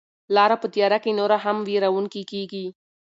لاره په تیاره کې نوره هم وېروونکې کیږي.